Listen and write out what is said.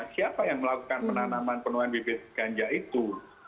siapa yang melakukan penanaman penuhan bibit ganja itu